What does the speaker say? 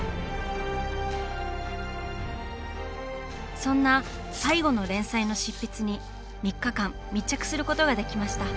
そんな「最後の連載」の執筆に３日間密着することができました。